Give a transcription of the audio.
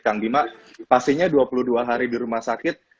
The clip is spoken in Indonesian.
kang bima pastinya dua puluh dua hari di rumah sakit